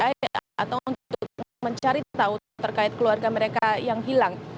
atau untuk mencari tahu terkait keluarga mereka yang hilang